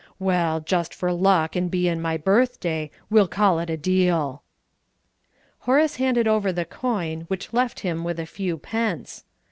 Well, just for luck and bein' my birthday, we'll call it a deal." Horace handed over the coin, which left him with a few pence.